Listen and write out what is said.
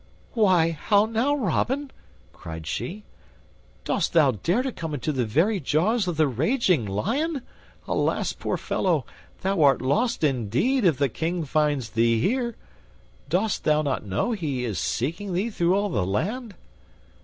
"Why, how now, Robin!" cried she, "dost thou dare to come into the very jaws of the raging lion? Alas, poor fellow! Thou art lost indeed if the King finds thee here. Dost thou not know that he is seeking thee through all the land?"